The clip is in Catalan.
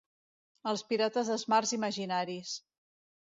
Els pirates dels mars imaginaris.